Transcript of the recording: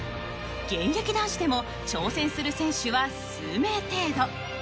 現役男子でも挑戦する選手は数名程度。